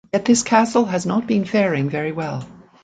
Yet this castle has not been faring very well.